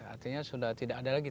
artinya sudah tidak ada lagi